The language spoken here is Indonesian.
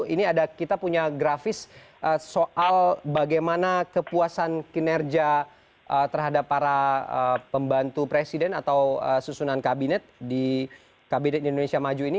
ini ada kita punya grafis soal bagaimana kepuasan kinerja terhadap para pembantu presiden atau susunan kabinet di kabinet indonesia maju ini